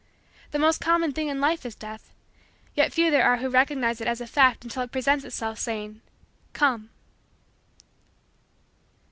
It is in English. The most common thing in Life is Death; yet few there are who recognize it as a fact until it presents itself saying: "Come."